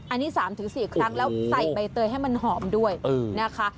อันนี้๓๔ครั้งแล้วใส่ใบเตยให้มันหอมด้วยนะคะ